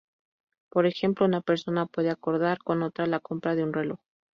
Por ejemplo, una persona puede acordar con otra la compra de un reloj.